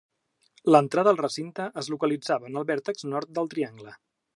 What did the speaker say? L'entrada al recinte es localitzava en el vèrtex nord del triangle.